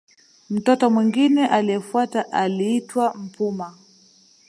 Mtoto mwingine aliyefuatia aliitwa Mpuma